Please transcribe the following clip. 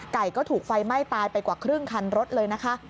ไก่ก็ถูกไฟไหม้ตายไปกว่าครึ่งคันรถเลยนะคะ